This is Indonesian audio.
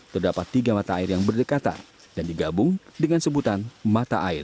terdapat tiga mata air yang berdekatan dan digabung dengan sebutan mata air